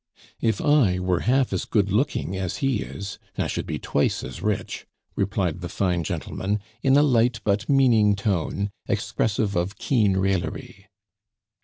"If I were half as good looking as he is, I should be twice as rich," replied the fine gentleman, in a light but meaning tone, expressive of keen raillery.